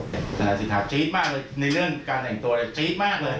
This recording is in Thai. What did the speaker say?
ทนายสิทธาจี๊ดมากเลยในเรื่องการแต่งตัวจี๊ดมากเลย